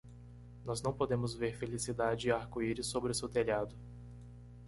Nós não podemos ver felicidade e arco-íris sobre o seu telhado.